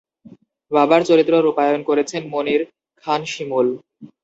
বাবার চরিত্র রূপায়ণ করেছেন মনির খান শিমুল।